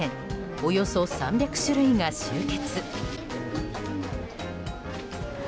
およそ３００種類が集結。